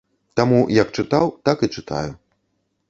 Таму як чытаў, так і чытаю.